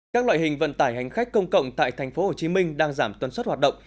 các loại hình vận tải hành khách công cộng tại tp hcm đang giảm tuần suất hoạt động